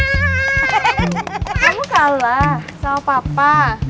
kamu kalah sama papa